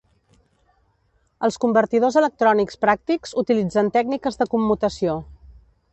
Els convertidors electrònics pràctics utilitzen tècniques de commutació.